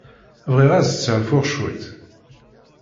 Bɣiɣ ad steɛfuɣ cwiṭ.